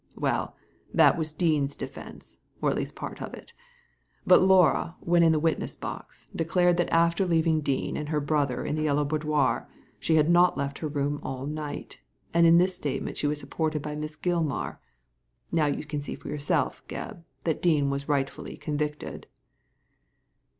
Well, that was Dean's defence ; or at least part of it But Laura, when in the witness box, declared that after leaving Dean and her brother in the Yellow Boudoir she had not left her room all night ; and in this statement she was supported by Miss Gilmar. Now you can see for yourself, Gebb, that Dean was rightfully convicted."